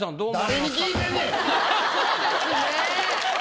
そうですね。